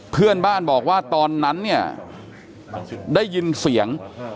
เพื่อนบ้านบอกว่าตอนนั้นเนี่ยได้ยินเสียง